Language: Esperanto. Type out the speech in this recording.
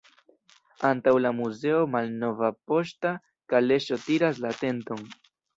Antaŭ la muzeo malnova poŝta kaleŝo tiras la atenton.